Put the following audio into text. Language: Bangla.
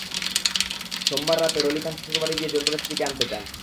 সোমবার রাতে রলি খান শ্বশুরবাড়ি গিয়ে জোর করে স্ত্রীকে আনতে চান।